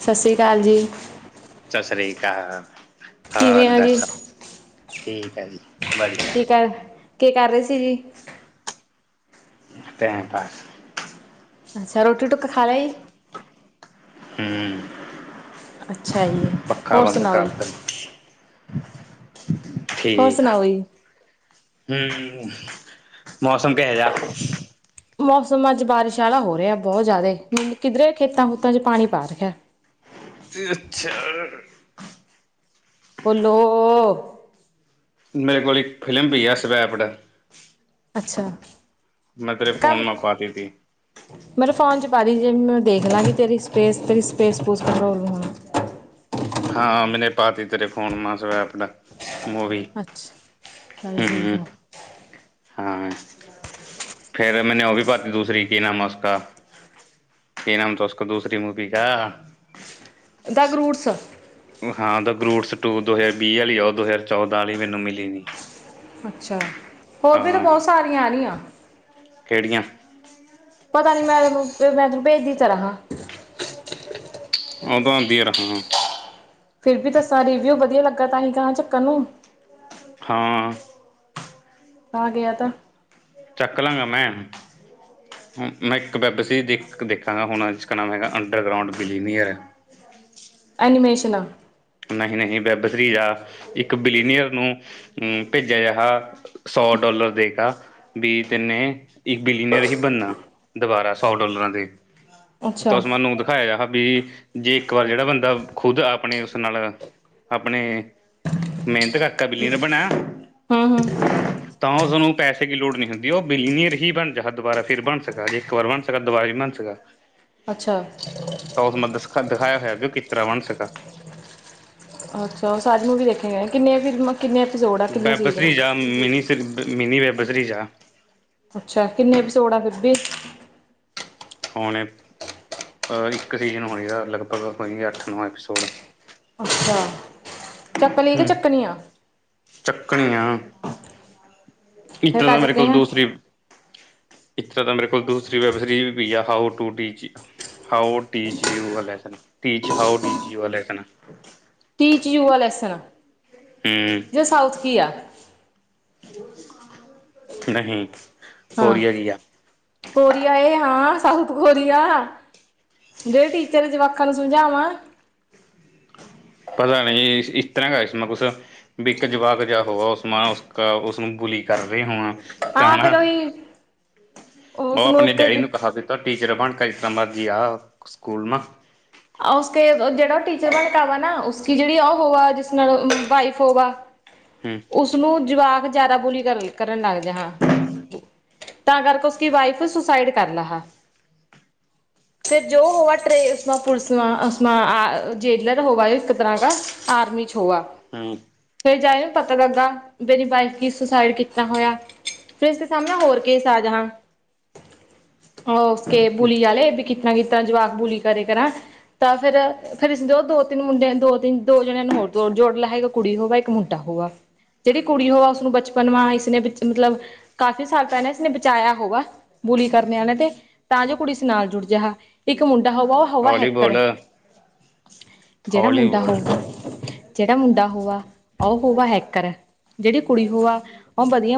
ਸਤਿ ਸ੍ਰੀ ਅਕਾਲ ਜੀ ਸ੍ਰੀ ਅਕਾਲ ਕਿਵੇਂ ਹੋਰ ਹੋ ਜੀ ਦੱਸੋ ਠੀਕ ਹੈ ਜੀ ਵਧੀਆ ਕੇ ਕਰ ਰਹੇ ਸੀ ਜੀ ਟੈਮ ਪਾਸ ਅੱਛਾ ਰੋਟੀ ਟੁੱਕ ਖਾ ਲੈਈ ਹਮ ਅੱਛਾ ਜੀ ਪੱਖਾ ਹੋਰ ਬੰਦ ਸੁਣਾਓ ਕਰ ਜੀ ਦੋ ਹੋਰ ਠੀਕ ਆ ਸੁਣਾਓ ਜੀ ਹਮ ਮੌਸਮ ਕ ਜਾ ਮੌਸਮ ਅੱਜ ਬਾਰਿਸ਼ ਵਾਲਾ ਹੋ ਰਿਹਾ ਬਹੁਤ ਜ਼ਿਆਦਾ ਮ ਕਿੱਧਰੇ ਖੇਤਾਂ ਖੂਤਾਂ ਚ ਪਾਣੀ ਪਾ ਰਿਹਾ ਤੇ ਅੱਛਾ ਬੋਲੋ ਓ। ਮੇਰੇ ਕੋਲ ਹੀ ਫ਼ਿਲਮ ਵੀ ਏ ਸਵੈਪਡ। ਮੈਂ ਤੇਰੇ ਫ਼ੋਨ ਕੱਲ, ਮੈਂ ਪਾਤੀ ਤੀ ਮੇਰੇ ਫੋਨ ਚ ਪਾ ਦੀ ਜੇ ਦੇਖ ਲਾਗੀ ਤੇਰੀ ਸਪੇਸ ਤੇਰੀ ਸਪੇਸਪੂਸ [unintelligible] ਹਾਂ, ਮੈਨੇ ਪਾਤੀ ਤੇਰੇ ਫੋਨ ਮੇ ਸਵੈਪਡ। ਅੱਛ, ਚੱਲ ਠੀਕ ਆ। ਹਾਂ, ਫੇਰ ਮੈਨੇ ਉਹ ਵੀ ਪਾਤੀ ਦੂਸਰੀ, ਕੀ ਨਾਮ ਹੈ ਉਸ ਕਾ, ਕਿ ਨਾਮ ਥਾ ਉਸਕਾ, ਦੂਸਰੀ ਮੂਵੀ ਕਾ। ਦਗ ਰੂਟਸ ਹਾਂ, ਦਗਰੂਟਸ ਟੂ ਦੋਹੈ ਬੀ ਅਲੀ ਆਓ ਦੋਹੈ ਚੌਦਾਂ ਅਲੀ ਮੈਨੂੰ ਮਿਲੀ ਨਹੀਂ। ਅੱਛਾ ਹੋਰ ਵੀ ਤੇ ਬਹੁਤ ਸਾਰੀਆਂ ਆਨੀਆਂ। ਕਿਹੜੀਆਂ? ਪਤਾ ਨਹੀ ਮੈਂਨੂੰ, ਵੇਂ ਮੈਂ ਤੈਨੂੰ ਭੇਜਦੀ [unintelligible] ਹਾਂ। ਉਹਦੋਂਦੀ ਰਹਾ। ਫਿਰ ਵੀ ਦੱਸਾਂ ਰਿਵਿਊ ਵਧੀਆ ਲੱਗਾ ਤਾਂਹੀ ਕਾਂ ਚੱਕਨ ਨੂੰ। ਹਾਂ। ਆ ਗਿਆ ਤਾਂ। ਚੱਕ ਲਵਗਾ ਮੈਂ, ਮ ਮੈਂ ਇੱਕ ਵੈੱਬ ਸੀ ਦੇਖ ਦੇਖਾਂਗਾ ਹੋਣਾਚ ਕ ਨਾਮ ਹੈਗਾ ਅੰਡਰਗਰਾਊਂਡ ਬਿਲੀਨੀਅਰ। ਏਨੀਮੇਸਸ਼ਨ ਆ। ਨਹੀਂ ਨਹੀਂ, ਬੈਬਸਰੀਜ ਹਾਂ ਇੱਕ ਬਿਲੀਨੀਅਰ ਨੂੰ ਹੂੰ ਭੇਜਿਆ ਜਾਹਾ ਸੌ ਡੋਾਲਰ ਦੇਗਾ ਬੀ ਤੈਨੇ ਇੱਕ ਬਿਲੀਨੀਅਰ ਹੀ ਬਣਨਾ ਦੁਬਾਰਾ ਸੌ ਡੋਾਲਰਾਂ ਦੇ। ਅੱਛਾ ਤੁਸ ਮੈਨੂੰ ਦਿਖਾਇਆ ਹਾ ਬੀ। ਜੇ ਇੱਕ ਵਾਰ ਜਿਹੜਾ ਬੰਦਾ ਖੁਦ ਆਪਣੇ ਉਸ ਨਾਲ ਆਪਣੇ ਮਿਹਨਤ ਕਾਰਕੇ ਬਿੱਲੀ ਨੇ ਬਣਿਆ ਹੂੰ ਹੂੰ ਤਾਂ ਉਸਨੂੰ ਪੈਸੇ ਕੀ ਲੋੜ ਨਹੀਂ ਹੁੰਦੀ ਉਹ ਬਿਲੀਨੀਅਰ ਹੀ ਬਣ ਜਹਾ ਦੁਬਾਰਾ ਫਿਰ ਬਣ ਸਕਾ, ਜੇ ਇੱਕ ਵਾਰ ਬਣ ਸਕਾ, ਦੁਬਾਰਾ ਹੀਂ ਬਣ ਸਕਾ। ਅੱਛਾ ਤਾਂ ਉਸ [unintelligible] ਤਰਵਣ ਸਕਾ ਅੱਛਾ, ਉਹ ਸਾਨੂੰ ਵੀ ਵੇਖੇ ਗਏ ਕਿੰਨੇ ਫਿਲਮਾਂ ਕਿੰਨੇ ਐਪੀਸੋਡ ਆ ਕਿੰਨੇ ਸੀਜ਼ਨ ਆ ਬੈਂਬਸਾਰੀਜ਼ ਅ ਮਿਨੀ [unintelligible] ਮਿਨੀ ਵੈਬਜ਼ਰੀਜ ਆ। ਅੱਛਾ [unintelligible] ਹੋਣੇ, ਅ ਇੱਕ ਸੀਜਨ ਹੋਣੀ ਜਾ ਲਗਭਗ ਹੋਈ ਅੱਠ ਨੌ ਐਪੀਸੋਡ। ਚੱਕਲੀ ਕਿ ਹੂੰ ਚੱਕਣੀਆਂ। ਚੱਕਣੀਆਂ। ਫਿਰ ਇੱਤਨਾ ਕਾ ਦਾ ਮੇਰੇ ਚੱਕੇ ਕੋਲ ਆ ਦੂਸਰੀ ਇਸ ਤਰ੍ਹਾਂ ਤਾਂ ਮੇਰੇ ਕੋਲ ਦੂਸਰੀ ਵੈੱਬ ਸੀਰੀਜ਼ ਪਈ ਆ। How to teach, how teach you a lesson, teach how teach you a lesson. Teach you a lesson. ਹੂੰ ਜੈ ਸਾਊਥ ਕੀ ਆ। ਹਾਂ [unintelligible] ਸਤ ਖੋਰੀ ਆ। ਜੇ ਟੀਚਰ ਜਵਾਕਾਂ ਨੂੰ ਸਮਝਾਵਾਂ। [inaudible] ਵਿਕ ਜਵਾਕ ਜਿਹਾ ਹੋਆ ਉਸ ਮੈਂ ਉਸ ਉਸਨੂੰ ਬੁਲੀ ਕਰ ਰਹੇ ਹੋਵਾਂ। ਤਾਂ ਹਾਂ ਹੈਾ ਫਿਰ ਉਹੀ ਬ ਉਸਨੂੰ ਆਪਣੇ ਡੈਡੀ ਇੱਕ ਨੂੰ [unintelligible] ਟੀਚਰ ਭਣ ਕਰਿਕੰਬਾ ਜੀ ਆ ਸਕੂਲ ਮ [unintelligible] ਉਸਨੂੰ ਜਵਾਕ ਜ਼ਿਆਦਾ ਬੋਲੀ ਕਰ ਕਰਨ ਲੱਗਦੇ ਹਾਂ। [unintelligible] [unintelligible] ਹੂੰ। [unintelligible] ਓਹਕੇ ਬੂਲੀ ਆਲੇ [unintelligible] [unintelligible] [unintelligible] ਮਤਲਬ [unintelligible] [unintelligible] ਜੇਹੜਾ ਮੁੰਡਾ ਹੋਉਗਾ ਜਿਹੜਾ ਮੁੰਡਾ ਹੋਆ [unintelligible]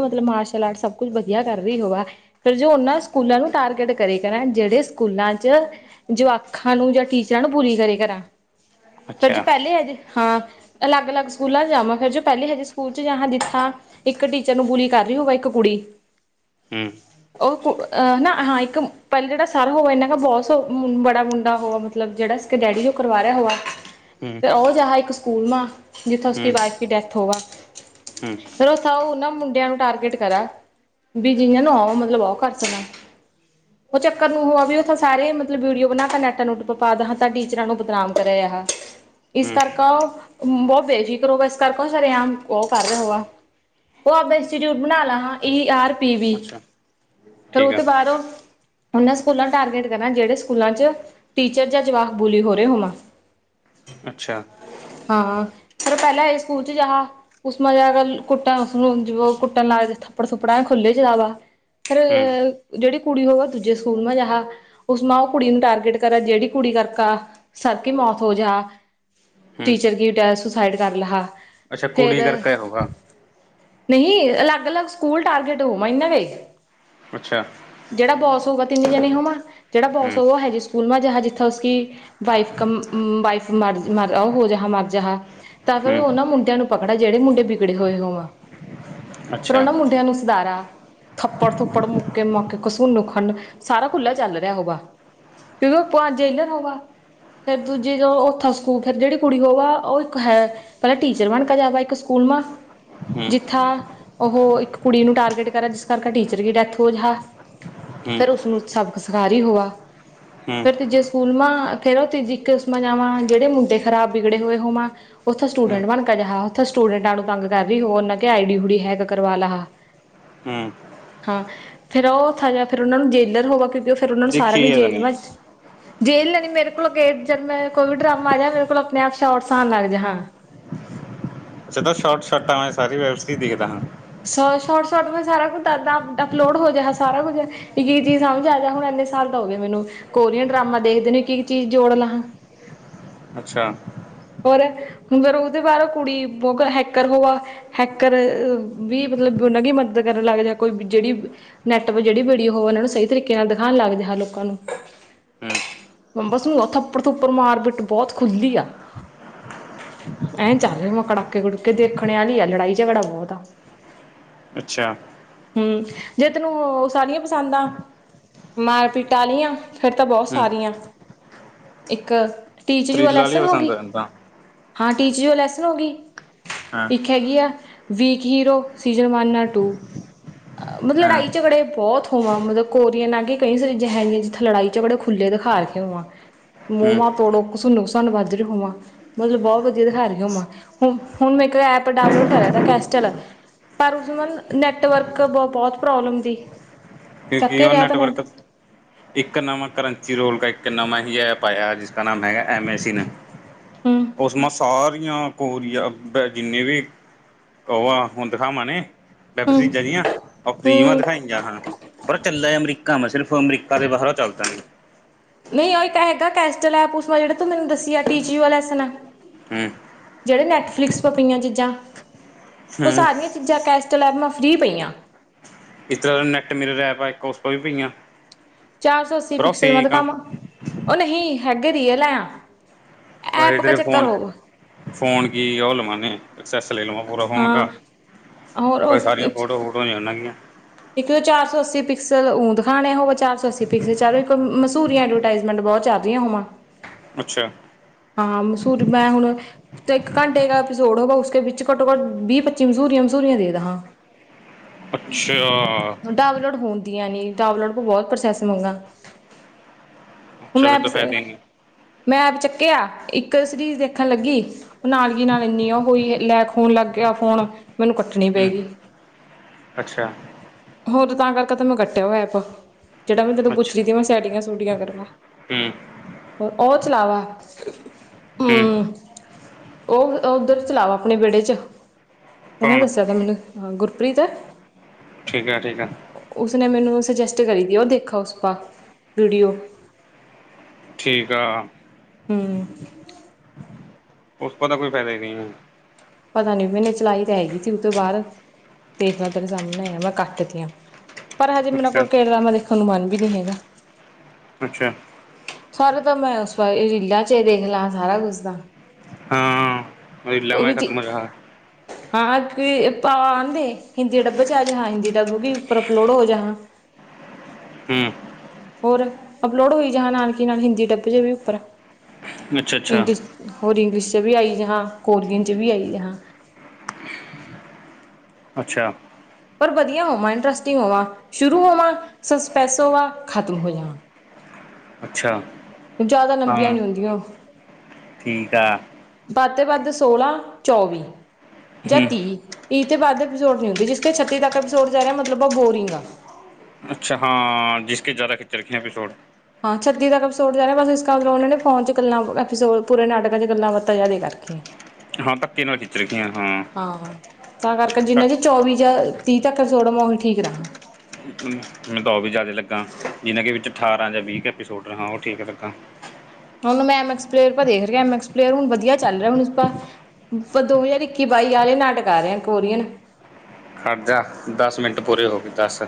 ਮਤਲਬ ਮਾਰਸ਼ਲ ਆਰਟ ਸਭ ਕੁੱਛ ਵਧੀਆ ਕਰ ਰਹੀ ਹੋਵੈ। ਫਿਰ ਜੋ ਉਹਨਾਂ ਸਕੂਲਾਂ ਨੂੰ ਟਾਰਗੇਟ ਕਰੇਗਾ ਜਿਹੜੇ ਸਕੂਲਾਂ ਚ ਜਵਾਖਾਂ ਨੂੰ ਜਹ ਟੀਚਰਾਂ ਨੂੰ ਪੂਰੀ ਕਰੇ ਕਰਾਂ। ਫ ਜੇ ਪਹਿਲੇ ਆ ਜੇ ਹਾਂ [unintelligible] ਉਹ [unintelligible] [unintelligible] [unintelligible] ਜਿੱਥਾ ਉਸੀ ਵਾਈਫ ਕੀ ਡੈਥ ਹੋਗਾ। [unintelligible] ਫਿਰ ਉਹ ਸ ਉਹ ਨਾ ਮੁੰਡੇ [inaudible] ਬੱਚਿਆਂ ਨੂੰ ਟਾਰਗੇਟ ਕਰਾ, ਵੀ ਜਿਹਨਾਂ ਨੂੰ ਆਓ ਮਤਲਬ, ਆਓ ਕਰ ਸਕਣ ਉਹ ਚੱਕਰ ਨੂੰ ਹੋਆ ਵੀ, ਉਹਥ ਸਾਰੇ ਵੀਡੀਓ ਬਣਾੈਟ ਨੂੰ [inaudible] ਪਾਦਾ ਹਾਂ ਤਾਂ ਟੀਚਰਾਂ ਨੂੰ ਬਦਨਾਮ ਕਰੇ ਹਾ। [unintelligible] ਇਸ ਕਰਕਾ [unintelligible] ਬਹੁਤ ਬੇਫਿਕਰ ਹੋ ਇਸ ਕਰਕੇ, ਸਮ ਉਹ ਕਰ ਰਿਹਾ ਹੋਵਾ ਉਹ ਆਪ ਇੰਸਚਿਊਟ ਬਣਾ ਲਾ ਹ ਈ ਆਰ [unintelligible] [unintelligible] ਪੀਵੀ, ਫਿਰ ਉਹ ਤੇ ਬਾਹਰੋਂ ਉਹਨਾਂ ਸਕੂਲਾਂ ਟਾਰਗੇਟ ਕਰਨਾ, ਜਿਹੜੇ ਸਕੂਲਾਂ 'ਚ' ਟੀਚਰ ਜਾਂ ਜਵਾਕਬੂਲੀ ਹੋ ਰਹੇ ਹੋਵਾਂ। [unintelligible] ਅੱਛਾ! ਹਾਂ ਫਿਰ ਪਹਿਲਾਂ ਇਸ ਸਕੂਲ ਚ ਜਾਹਾ ਉਸ ਮਾ ਜਾ ਕਰ ਕੁੱਟਣ ਉਸਨੂੰ ਕੁੱਟਣ ਲ ਥੱਪੜ ਥੱਪੜਾ ਖੁੱਲੇ ਚ ਜਾ ਵਾ ਫੇਿਰਹ ਜਿਹੜੀ ਕੁੜੀ ਹੋਵੇ ਦੂਜੇ ਸਕੂਲ ਮੈਂ ਜਾਹਾ ਉਸ ਮਾ ਉਹ ਕੁੜੀ ਨੂੰ ਟਾਰਗੇਟ ਕਰਾ ਜਿਹੜੀ ਕੁੜੀ ਕਰਕਾ ਸਰਕ ਮੌਤ ਹੋ ਜਾ। [unintelligible] [unintelligible] ਟੀਚਰ ਕੀਟ ਸੁਸਾਈਡ ਕਰ ਲਹਾ। [unintelligible] ਅੱਛਾ ਫੇਰ ਕੁੜੀ ਕਰਰ ਕ ਹੋਗਾ [unintelligible] ਨਹੀਂ ਅਲੱਗ -ਅਲੱਗ ਸਕੂਲ ਟਾਰਗੇਟ ਹੋਊ, ਮ ਇਨਾ ਕ ਜਿਹੜਾ ਬੌਸ ਹੋਗਾ। ਤਿੰਨ ਜਣੇ ਹੋਮ ਜਿਹੜਾ ਬੌਸ ਉਹ ਹੈੇ ਸਕੂਲ [unintelligible] ਕਹਿ ਦਿੱਤਾ ਉਸਕੀ ਵਾਈਫ ਕਾ ਮਰਜ [unintelligible] ਉਹ ਹੋ ਜਹਾ ਮਰਜਹਾ ਤਾਂ ਫਿਰ ਉਹਨਾਂ ਮੁੰਡਿਆਂ ਨੂੰ ਪਕੜਾ ਜਿਹੜੇ ਮੁੰਡੇ ਵਿਗੜੇ ਹੋਏ ਹੋਵ [unintelligible] [unintelligible] ਤਰੋਨਾਂ ਮੁੰਡਿਆਂ ਨੂੰ ਸੁਧਾਰਾ। [unintelligible] ਥੱਪੜ ਥੁੱਪੜ ਮੁੱਕਕੇ ਮੁਕੇ ਕਸੂਨ ਖੰ ਸਾਰਾ ਖੁੱਲਲਾ ਚੱਲ ਰਿਹਾ ਹੋਗਾ ਕਿਉਂਕਿ ਉਹ ਜੇਲਰ ਹੋਗਾ ਫੇਰ ਦੂਜੇ ਜ ਉੱਥਾ [unintelligible] [unintelligible] ਜਿਹੜੀ ਕੁੜੀ ਹੋ ਵਾ ਉਹ ਇੱਕ ਹੈ ਪਹਿਲਾਂ ਟੀਚਰ ਬਣ ਕੇ ਜਾ ਵਾ ਇੱਕ ਸਕੂਲਮਾ ਜਿੱਥਾ ਉਹ ਇੱਕ ਕੁੜੀ ਨੂੰ ਟਾਰਗੇਟ ਕਰਾ ਜਿਸ ਕਰਕੇ ਟੀਚਰ ਦੀ ਡੈਥ ਹੋ ਜਾ ਫੇਿਰ ਉਸਨੂੰ ਸਬਕ ਸਿਖ ਹੀ ਹੋਾ ਫੇਿਰ ਤੀਜੇ ਸਕੂਲ ਮਾ ਫੇਰ ਉਹ ਤੀਜੀ ਇੱਕਮਾ ਜਾਵਾਂ [unintelligible] [unintelligible] ਜਿਹੜੇ ਮੁੰਡੇ ਖਰਾਬ ਬਿਗੜੇ ਹੋਏ ਹੋਵਾਂ ਉੱਥੇ ਸਟੂਡੈਂਟ ਬਣ ਕੇ ਜਿਹਾ ਉੱਥੇ ਸਟੂਡੈਂਟਾਂ ਨੂੰ ਤੰਗ ਕਰ ਰ ਹੋ ਉਹਨਾ ਕੇ ਆਈ ਡੀ ਹੂੀ ਹੈਕ ਕਰਵਾ ਲਾ ਹਾਂ ਫੇਿਰ ਉਹਥੇ ਜਾ ਫਿਰ ਉਹਨਾਂ ਨੂੰ ਜੇਲਰ ਹੋਵਾ ਕਿਉਂਕਿ [unintelligible] [unintelligible] ਫਿਰ ਉਹਨਾਂ ਨੂੰ ਸਾਰਿਆਂ ਨੂੰ ਜੇਲ ਵ [unintelligible] [unintelligible] ਜੇਲ੍ਹ ਲ ਨੀ ਮੇਰੇ ਕੋਲ ਗੇਟ ਜ ਮੈਂ ਕੋਈ [unintelligible] ਡਰਾਮਾ ਜਿਹਾ ਮੇਰੇ ਕੋਲ ਆਪਣੇ ਆਪ ਸ਼ ਆਟਸਉਣ ਲੱਗ ਜਾ ਹਾਂ [unintelligible] [unintelligible] ਅੱਛਾ, ਸ਼ੋਟ ਸ਼ੋਟਾਂ ਮੈਂ ਸਾਰੀ ਵੈਬ ਸੀਰੀਜ਼ ਦੇਖਦਾ ਹਾਂ। ਸ਼ੋਰਟ ਸ਼ੋਟ ਮੈਂ ਸਾਰਾ ਕੁਛਦ ਅਪਲੋਡ ਹੋ ਜਾਹਾ ਸਾਰਾ ਕੁਝ ਇੱਕ ਇੱਕ ਚੀਜ਼ ਸਮਝ ਆ ਜਾ ਹੁਣ ਇੰਨੇ ਸਾਲ ਦਾ ਹੋ ਗ ਮੈਨੂੰ ਕੋਰੀਅਨ ਡਰਾਮਾ ਦੇਖਦੇ ਨੇ ਇੱਕ ਇੱਕ ਚੀਜ਼ ਜੋੜ ਲ ਹਾਂ। [unintelligible] [unintelligible] ਅੱਛਾ! ਹੁਣ ਫੇਿਰ ਉਹਦੇ ਬਾਹਰ ਕੁੜੀ ਬਹੁਤ ਹੈਕਰ ਹੋਵਾ ਹੈਕਰ ਵੀ ਮਤਲਬ ਉਹਨਾ ਦੀ ਮਦਦ ਕਰਨ ਲੱਗ ਜਾ ਕੋਈ ਜਿਹੜੀ ਨੈਟ ਜਿਹੜੀ ਵੀਡੀਓ ਹੋ ਉਹਨਾ ਨੂੰ ਸਹੀ ਤਰੀਕੇ ਨਾਲ ਦਿਖਾਉਣ ਲੱਗ ਜਾਹਾ ਲੋਕਾਂ ਨੂੰ ਹੂੰ ਬਸ ਥੱਪੜ ਥੁਪੜ ਮਾਰਪੀਟ ਬਹੁਤ ਖੁੱਲੀ ਆ। [unintelligible] [unintelligible] ਐਂ ਚੱਲ ਰਿ ਕੜਾਕੇ ਕੜੂਕੇ ਦੇਖਣ ਵਾਲੀ ਆ ਲੜਾਈ ਝਗੜਾ ਬਹੁਤ ਆ। [unintelligible] [unintelligible] ਅੱਛਾ! ਹਮ ਜੇ ਤੈਨੂੰ ਉਹ ਸਾਰੀਆਂ ਪਸੰਦ ਆ, ਮਾਰਪੀਟ ਆਲੀਆਂ, ਫੇਰ ਤਾਂ ਬਹੁਤ ਹੂੰ ਸਾਰੀਆਂ, ਇੱਕ ਟੀਚ ਜੋ ਥ੍ਰਿਲ ਵਾਲੀ ਲੈਸਨ ਹੋ ਗਈ? ਪਸੰਦ [unintelligible] ਰਹਿੰਦਾ। ਹਾਂ ਟੀਚਰ ਜੋ ਲੈਸਨ ਹੋ ਗਈ। ਹਾਂ ਇੱਕ ਹੈਗੀ ਆ। ਵੀਕ ਹੀਰੋ ਸੀਜ਼ਨ ਵਨ ਨਾ ਟੂ? ਮਤਲਬ ਹਾਂ ਲੜਾਈ- ਝਗੜੇ ਬਹੁਤ ਹੋਵਾਂ ਮਤਲਬ, ਕੋਰੀਅਨ ਆ ਕੇ ਕਈ ਸਾਰੀ ਜ ਹੈਨੀ, ਜਿੱਥੇ ਲੜਾਈ- ਝਗੜੇ ਖੁੱਲੇ ਦਿਖਾ ਕੇ ਹੋਵਾਂ, ਮੂੰਹ ਹੂੰ ਵਾਂ ਤੋੜੋ ਘਸੁੱਨ-ਘਸੱਨ ਵੱਜ ਰਹੇ ਹੋਵਾਂ। ਮਤਲਬ ਬਹੁਤ ਵਧੀਆ ਦਿਖਾ ਰਹੀ ਹੁਣ ਮੈਂ, ਹੁਣ ਮੈਂ ਇੱਕ ਐਪ ਡਾਊਨਲੋਡ ਕਰਿਆ ਤ ਕੈਸਟਲ, ਪਰ ਉਸ ਮਨ ਨੈੱਟਵਰਕ ਕ ਬਹੁਤ ਪ੍ਰੋਬਲਮ ਥੀ। ਕਿਉਂਕਿ ਉਹ ਨੈਟਵਰਕ ਇੱਕ ਨਵਾਂ ਕਰੰਚ ਰੋਲ ਕ ਇੱਕ ਨਵਾਂ ਹੀ ਐਪ ਆਇਆ, ਜਿਸਕਾ ਨਾਮ ਹੈਗਾ ਐਮ ਏ ਸੀਨ। ਹੂੰ ਉਸ ਮ ਸਾਰੀ ਕੋਰੀਆ ਬ ਜਿੰਨੇ ਵੀ ਕਵਾ ਹੁੰ ਦਿਖਾ ਮੰਣੈ ਹੂੰ ਵੈਬਸੀਜਰੀਆਂ ਉਹ ਫ੍ਰੀ ਮ ਹੂੰ ਦਿਖਾਈਆਂ ਹਾਂ। ਪਰ ਚੱਲੈ ਅਮਰੀਕਾ ਮੈਂ ਸਿਰਫ਼, ਅਮਰੀਕਾ ਕੇ ਬਾਹਰ ਚੱਲਦਾ ਨਹੀਂ। ਨਹੀਂ ਉਹ ਇੱਕ ਹੈਗਾ ਕੈਸਟਲ ਐਪ [unintelligible] ਜਿਹੜੇ ਤੂੰ ਮੈਨੂੰ ਦਸੀ ਆ ਟੀ ਜੀਓ ਲੈਸਨ, ਹੂੰ ਜਿਹੜੇ ਨੈਟਫਲਿਕਸ ਪਰ ਪਈਆਂ ਚੀਜ਼ਾਂ। ਉਹ ਹੂੰ ਸਾਰੀਆਂ ਚੀਜ਼ਾਂ ਕਹਿ ਚਲ ਅਬ ਮੈਂ ਫ੍ਰਰੀ ਪਈ ਹਾਂ। ਇਸ ਤਰ੍ਹਾਂ ਦਾ ਨੈੱਟ ਮੇਰੇ ਰੈਪ ਆ, ਇੱਕ ਉਸ ਤੋਂ ਵੀ ਪਈਆਂ। ਚਾਰ- ਸੌ ਅੱਸੀ ਪਰ ਉਹ ਪਿਕਸਲ ਮਲ ਫੇਕ ਆ। ਕੰਮ ਉਹ ਨਹੀਂ, ਹੈਗੇ ਰੀਅਲ ਆ। ਪਰ ਐਪ ਕਾ ਇਧਰੇ ਚੱਕਰ ਫੋਨ, ਹੋਗਾ ਫੋਨ ਕੀ ਆ ਉਹ ਲਵਾਣੇ। ਸਕਸੈਸ ਲੈ ਲਵਾਂ ਪੂਰਾ ਫੋਣ ਹਾਂ ਕਾ, ਹੋਰ ਭਾਈ ਸਾਰੀਆਂ ਫੋਟੋ ਫੋਟੋਨਾਂਗੀਆਂ। ਇੱਕ ਚਾਰ- ਸੌ ਅੱਸੀ ਪਿਕਸਲ ਊਂ ਦਿਖਾਣਿਆ ਹੋ, ਚਾਰ- ਸੌ ਅੱਸੀ ਪਿਕਸਲ ਚ ਮਸੂਰੀਆਂ ਐਡਵਰਟਾਈਜਮੈਂਟ ਬਹੁਤ ਚੱਲ ਰਹੀਆਂ ਹੋਵਾਂ। ਅੱਛਾ। ਹਾਂ, ਮਸੂਰੀ ਮੈਂ ਹੁਣ, ਇੱਕ ਘੰਟੇ ਦਾ ਐਪੀਸੋਡ ਹੋ ਉਸ ਵਿੱਚ ਘੱਟੋ ਘੱਟ ਵੀਹ- ਪੱਚੀ ਮਸੂਰੀਆਂ- ਮਸੂਰੀਆਂ ਦੇ ਦਾ ਹਾਂ। ਅੱਛਾ। ਦੀਆਂ ਨੀ, ਤਾਂਵਲੋਡ ਕੋ ਬਹੁਤ ਪ੍ਰੋਸੈਸ ਮੰਗਾ। ਹੁਣ ਅੱਛਾ ਮੈਂ ਫਿਰ [unintelligible] ਤੋਂ ਫਾਇਦੇ ਮੈਂ ਆਪ ਚੱਕ ਕਿਆ, ਇੱਕ ਸੀਰੀਜ਼ ਦੇਖਣ ਲੱਗੀ, ਉਹ ਨਾਲ ਦੀ ਨਾਲ ਇੰਨੀ ਉਹ ਹੋਈ ਲੈ, ਫੋਨ ਲੱਗ ਗਿਆ ਫੋਨ, ਮੈਨੂੰ ਕੱਟਣੀ ਪਏਗੀ। ਅੱਛਾ। ਹੋਰ ਤਾਂ ਕਰਕੇ ਤਾਂ ਮੈਂ ਕੱਟਿਆ ਹੋ ਐ ਐਪ। ਜਿਹਾ ਮੈਂਦੋਂ ਪੁੱਛਦੀ ਥੀ [unintelligible] ਸੀੈਂੈਡੀਆਂ ਸੂਟੀਆਂ [unintelligible] ਕਰਮ। ਹੋਰ ਉਹਤ ਚਲਾਵਾਂ। ਇੱਕ [unintelligible] ੀ [unintelligible] ਉਹ, ਉੱਧਰ ਚਲਾਓ ਆਪਣੇ ਵਿਹੜੇ ਚ, ਉਹਨੇ ਦੱਸਿਆ ਤੇ ਮੈਨੂੰ ਗੁਰਪ੍ਰੀਤ ਹੈ। ਠੀਕ ਹੈ- ਠੀਕ ਹੈ। ਉਸਨੇ ਮੈਨੂੰ ਸਜੈਸਟ ਕਰੀ ਦੀ ਉਹ ਦੇਖਾ ਉਸਪ ਵੀਡੀਓ। ਠੀਕ ਆ। ਹਮ ਉਸ ਪਤਾ ਕੋਈ ਫਾਇਦਾ ਹੀ ਨਹੀਂ ਹੈ। ਪਤਾ ਨੀ ਮੈਨੇ ਚਲਾਈ ਤਾਂ ਹੈਗੀ ਸੀ ਉਹ ਤੋਂ ਬਾਅਦ ਦੇਖ ਲ ਤੇਰੇ ਸਾਹਮਣੇ ਆਇਆ ਮੈਂ ਕੱਟ ਤਆਂ। ਪਰ ਹਜੇ ਮੇਰੇ ਕੋਈ ਕੇੇਰਾ ਮੈਂ ਦੇਖਣ ਨੂੰਨ ਵੀ ਨਹੀਂ ਹੈਗਾ ਅੱਛਾ! ਸਾਰੇ ਤਾਂ ਮੈਂ ਉਸ ਵਾਰੀ ਰੀਲਾਂ ਚ ਦੇਖ ਲਾਂ ਸਾਰਾ ਕੁਛ ਤਾਂ ਹਾਂ ਲ ਮ ਖਤ ਮਜਾ ਹਾਂ ਕਿ ਪਾ ਆਦੇ ਹਿੰਦੀ ਡੱਬ ਜਾ ਆ ਜ ਹ ਹਿੰਦੀ ਡੱਬਗੀਈ ਉੱਪਰ ਅਪਲੋਡ ਹੋ ਜ ਹ ਹੋਰ ਅਪਲੋਡ ਹੋਈ ਜ ਨਾਲ ਕੀ ਨਾਲ ਹਿੰਦੀ ਡੱਬ ਜੇ ਵੀ ਉੱਪਰ ਇੰਗਲਿਸ਼ ਹੋਰ ਇੰਗਲਿਸ਼ ਚ ਵੀ ਆਈਏ ਹਾਂ ਕੋਰੀਅਨ ਚ ਵੀ ਆਈ ਜਏ ਹਾਂ। ਅੱਛਾ! ਪਰ ਵਧੀਆ ਹੋਵਾਂ ਇੰਟਰਸਟਿੰਗ ਹੋਵਾਂ ਸ਼ੁਰੂ ਹੋਵਾਂ ਸਸਪੈਸ ਹੋਵਾਂ ਖਤਮ ਹੋ ਜਾਵਾਂ। ਅੱਛਾ! ਜਿਆਦਾ ਲੰਬੀਆਂ ਨੀ ਹੁੰਦੀਆਂ ਬਾਕੀ ੱ ਵੱਧ ਸੋਲਾਂ ਚੌਵੀ। ਜਤੀ ਇਹ ਪੋਡ ਨ ਹੁੰਦੀ ਜਿਸ ਛੱਤੀ ਤਪੀਸੋਡ ਜਾ ਰਿਹਾ ਮਤਲਬ ਉਹ ਬੋਰਿੰਗ ਆ। ਅੱਛਾ ਹਾਂ ਜਿਸ ਕੇ ਜ਼ਿਆਦਾ ਖਿੱਚਚ ਰੱਖੀਆਂ ਐਪਿਸੋਡ। ਹਾਂ ਛੱਤੀ ਤ ਐਪੀਸੋਡ ਜਾ ਬਸ ਇਸ ਉਹ ਨੇ ਫੋਨ ਚ ਗੱਲਾਂ ਐਪੀੋ ਪੂਰੇ ਨਾਟਕਾਂ ਚ ਗੱਲਾਂ ਬਾਤਾਂ ਜ਼ਿਆਦਾ ਕਰਕੇ। ਹਾਂ ਧੱਕੇ ਨਾਲ ਖਿੱਚ ਰੱਖੀਆਂ ਹਾਂ ਤਾਂ ਕਰਕੇ ਜਿੰਨਾ ਘੱਟ ਜ ਚੌਵੀ ਜ ਤੀਹ ਤੱਕ ਸੋੜ ਮੋ ਠੀਕ ਰਹਾਂ। ਮੈਂੂੰ ਤਾਂਓ ਵੀ ਜ਼ਿਆਦਾ ਲੱਗਾ ਜਿਹਨਾਂ ਕਿ ਵਿੱਚ ਅਠਾਰਾਂ ਜਾਂ ਵੀਹ ਕੁ ਐਪੀਸੋਡ ਰਿਾਂ ਉਹ ਠੀਕ ਹੈ ਲੱਗਾ। ਮਅਰ ਦੇਖ ਰਿਹਾਕ ਪਅਰ ਹੁਣ ਵਧੀਆ ਚੱਲ ਰਿਹਾ ਹੁਣ ਆਪ ਆਪ ਦੋ ਹਜ਼ਾਰ ਇੱਕੀ ਬਾਈ ਵਾਲੇ ਨਾਟਕ ਆ ਰਹੇ ਆ ਕੋਰੀਅਨ। ਖੜਦ ਦਸ ਮਿੰਟ ਪੂਰੇ ਹੋ ਗਈ ਦਸ